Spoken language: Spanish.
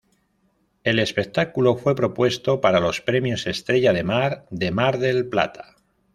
El espectáculo fue propuesto para los premios Estrella de Mar de Mar del Plata.